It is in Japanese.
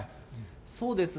そうですね。